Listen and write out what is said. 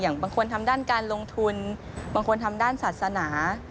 บางคนทำด้านการลงทุนบางคนทำด้านศาสนา